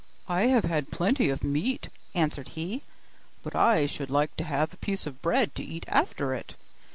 'I have had plenty of meat,' answered he, 'but I should like to have a piece of bread to eat after it.